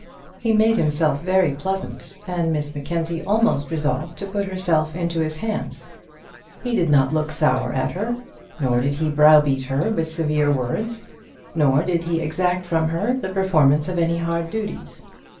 He made himself very pleasant, and Miss Mackenzie almost resolved to put herself into his hands. He did not look sour at her, nor did he browbeat her with severe words, nor did he exact from her the performance of any hard duties.